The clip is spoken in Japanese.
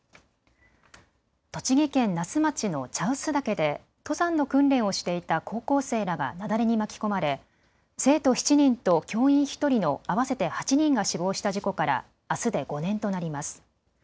栃木県那須町の茶臼岳で登山の訓練をしていた高校生らが雪崩に巻き込まれ生徒７人と教員１人の合わせて８人が死亡した事故からあすで５年となります。